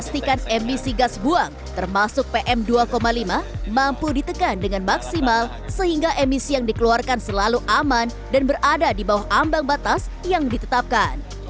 memastikan emisi gas buang termasuk pm dua lima mampu ditekan dengan maksimal sehingga emisi yang dikeluarkan selalu aman dan berada di bawah ambang batas yang ditetapkan